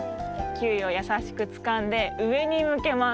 キウイをやさしくつかんでうえにむけます。